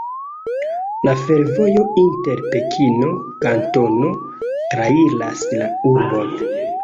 La fervojo inter Pekino-Kantono trairas la urbon.